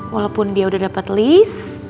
walaupun dia udah dapat list